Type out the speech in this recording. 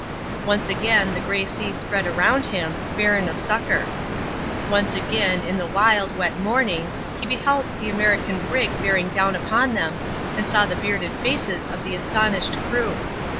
Once again the grey sea spread around him, barren of succour. Once again, in the wild, wet morning, he beheld the American brig bearing down upon them, and saw the bearded faces of the astonished crew.